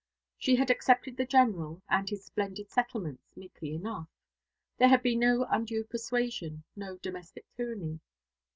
She had accepted the General, and his splendid settlements, meekly enough. There had been no undue persuasion, no domestic tyranny.